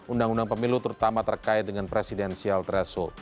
undang undang pemilu terutama terkait dengan presidensial threshold